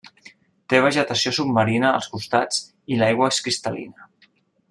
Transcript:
Té vegetació submarina als costats i l'aigua és cristal·lina.